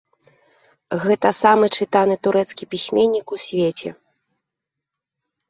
Гэта самы чытаны турэцкі пісьменнік у свеце.